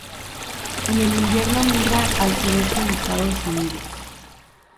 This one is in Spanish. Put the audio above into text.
En el invierno migra al sureste de Estados Unidos.